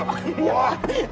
おい。